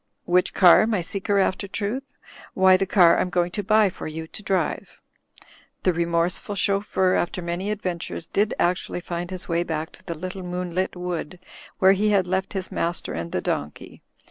Which car, my seeker after truth? Why the car I'm going to buy for you to drive." The remorseful chauffeur, after many adventures, did actually find his way back to the little moonlit wood where he had left his master and the donkey.